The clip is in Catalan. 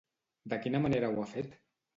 De quina manera ho ha fet?